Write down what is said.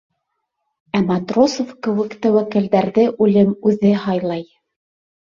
Ә Матросов кеүек тәүәккәлдәрҙе үлем үҙе һайлай!